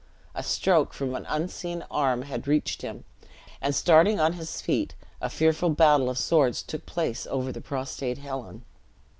A stroke from an unseen arm had reached him, and starting on his feet, a fearful battle of swords took place over the prostrate Helen.